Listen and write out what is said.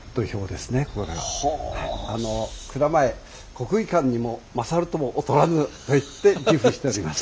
国技館にも勝るとも劣らぬと言って自負しております。